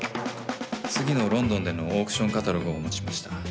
次のロンドンでのオークションカタログをお持ちしました。